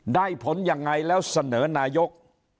ได้ผลยังไงแล้วเสนอนายก